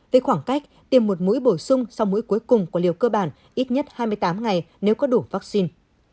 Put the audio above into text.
với khoảng cách tiêm một mũi bổ sung sau mũi cuối cùng của liều cơ bản ít nhất hai mươi tám ngày nếu có đủ vaccine